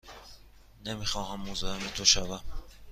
نمی خواهم مزاحم تو شوم.